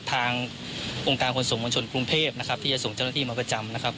ทางองค์การขนส่งมวลชนกรุงเทพนะครับที่จะส่งเจ้าหน้าที่มาประจำนะครับ